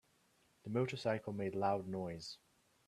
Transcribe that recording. The motorcycle made loud noise.